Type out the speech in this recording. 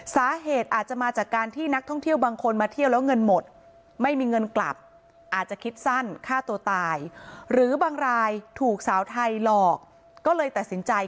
สาเหตุอาจจะมาจากการที่นักท่องเที่ยวบางคนมาเที่ยวแล้วเงินหมด